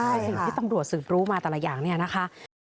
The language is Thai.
แต่สิ่งที่ตำรวจสืบรู้มาแต่ละอย่างเนี่ยนะคะ